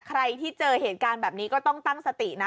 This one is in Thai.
ใครที่เจอเหตุการณ์แบบนี้ก็ต้องตั้งสตินะ